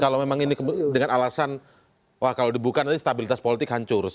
kalau memang ini dengan alasan wah kalau dibuka nanti stabilitas politik hancur